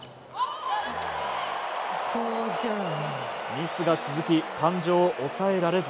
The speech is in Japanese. ミスが続き、感情を抑えられず。